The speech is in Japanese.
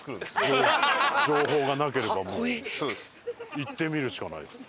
行ってみるしかないですね。